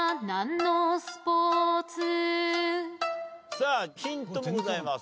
さあヒントもございます。